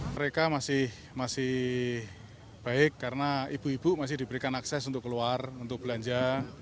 mereka masih baik karena ibu ibu masih diberikan akses untuk keluar untuk belanja